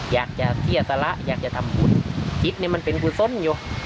อยากจะเสี้ยสละอยากจะทำบุญจิตเนี่ยมันเป็นบุษลอยู่